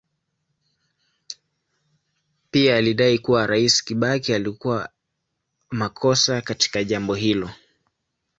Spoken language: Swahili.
Pia alidai kuwa Rais Kibaki alikuwa makosa katika jambo hilo.